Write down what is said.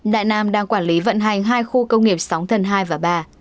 đại nam đang quản lý vận hành hai khu công nghiệp sóng thần hai và ba